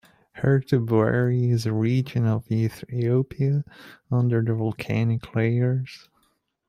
Herto Bouri is a region of Ethiopia under volcanic layers.